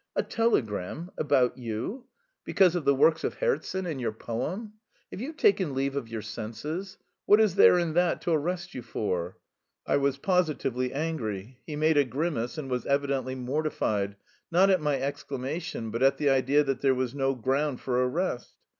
"A telegram? About you? Because of the works of Herzen and your poem? Have you taken leave of your senses? What is there in that to arrest you for?" I was positively angry. He made a grimace and was evidently mortified not at my exclamation, but at the idea that there was no ground for arrest.